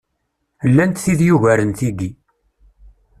Llant tid yugaren tiggi.